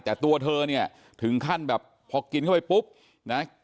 แต่ตัวเธอเนี่ยถึงขั้นแบบพอกินเข้าไปปุ๊บนะ